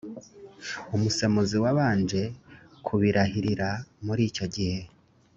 umusemuzi wabanje kubirahirira muri icyo gihe